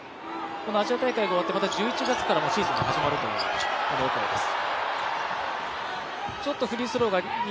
アジア大会が終わってまた１１月からもシーズンが始まるというオコエです。